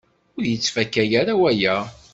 Ur yettfaka ara waya.